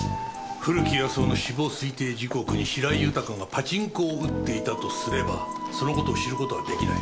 古木保男の死亡推定時刻に白井豊がパチンコを打っていたとすればその事を知る事は出来ない。